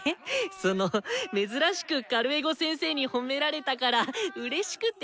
その珍しくカルエゴ先生に褒められたからうれしくて。